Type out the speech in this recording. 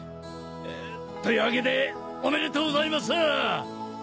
というわけでおめでとうございます！